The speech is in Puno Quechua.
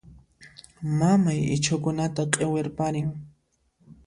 Mamay ichhukunata q'iwirparin.